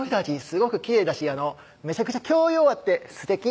すごくきれいだしめちゃくちゃ教養あってすてき